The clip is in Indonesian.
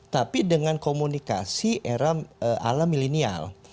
tapi dengan komunikasi era ala milenial